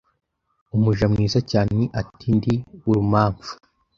umuja mwiza cyane ati Ndi urumamfu